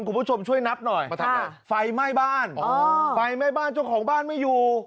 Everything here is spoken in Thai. คุณผู้ชมช่วยนับหน่อยฟัยไหม้บ้านฟัยไหม้บ้านช่วงของบ้านไม่อยู่